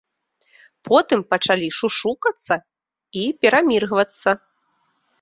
Потым пачалі шушукацца і пераміргвацца.